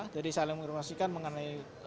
jadi saya mengirimasikan mengenai